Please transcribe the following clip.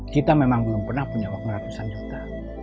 kita memang belum pernah punya uang ratusan juta